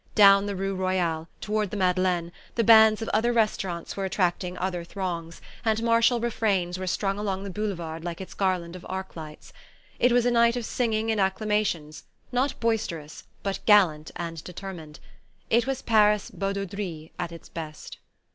Down the rue Royale, toward the Madeleine, the bands of other restaurants were attracting other throngs, and martial refrains were strung along the Boulevard like its garlands of arc lights. It was a night of singing and acclamations, not boisterous, but gallant and determined. It was Paris badauderie at its best.